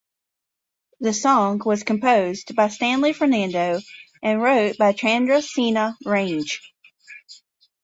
The song was composed by Stanley Fernando and wrote by Chandrasena Range.